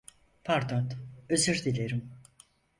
Pardon, özür dilerim.